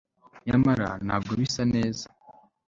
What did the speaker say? nyamara ntabwo bisa neza